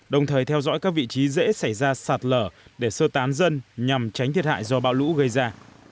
đồng thời theo dõi các vị trí dễ xảy ra sạt lở để sơ tán dân nhằm tránh thiệt hại do bão lũ gây ra